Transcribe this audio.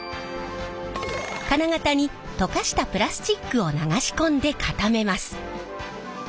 金型に溶かしたプラスチックを流し込んで固めます。